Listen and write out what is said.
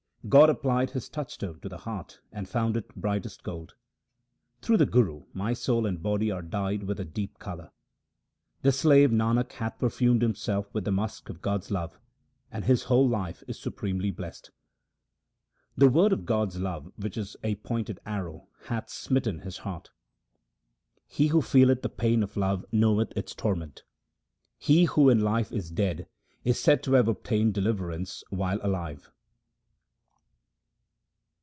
God applied His touchstone to the heart, and found it brightest gold. Through the Guru my soul and body are dyed with a deep colour. The slave Nanak hath perfumed himself with the musk of God's love, and his whole life is supremely blest. The word of God's love which is a pointed arrow hath smitten his heart. He who feeleth the pain of love knoweth its torment. He who in life is dead is said to have obtained deliver ance while alive.